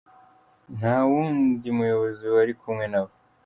Nta wundi muyobozi wari kumwe nabo.